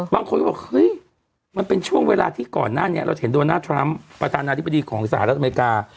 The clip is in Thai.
บางคนก็บอกเฮ้ยมันเป็นช่วงเวลาที่ก่อนหน้านี้เราเห็นโดนัททรัมป์ประธานาธิบดีของสหรัฐอเมริกา